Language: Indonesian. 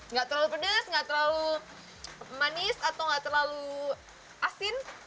nggak terlalu pedas nggak terlalu manis atau nggak terlalu asin